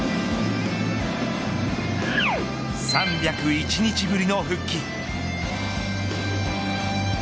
３０１日ぶりの復帰。